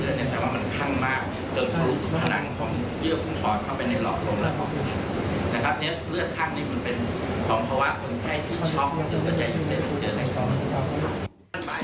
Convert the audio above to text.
คือเกิดใจอยู่ในฐักษณ์อุโมเจน